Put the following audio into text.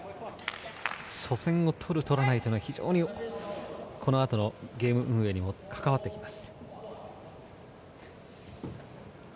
初戦をとる、とらないは非常にこのあとのゲーム運営にも関わってきます。